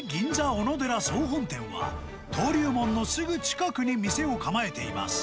おのでら総本店は、登龍門のすぐ近くに店を構えています。